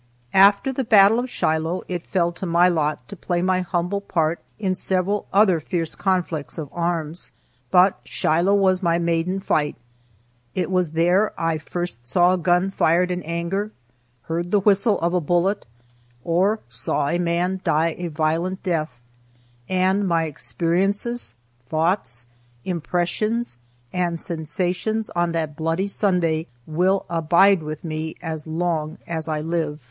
After the battle of Shiloh, it fell to my lot to play my humble part in several other fierce conflicts of arms, but Shiloh was my maiden fight. It was there I first saw a gun fired in anger, heard the whistle of a bullet, or saw a man die a violent death, and my experiences, thoughts, impressions, and sensations on that bloody Sunday will abide with me as long as I live.